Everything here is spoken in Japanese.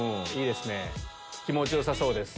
気持ちよさそうです。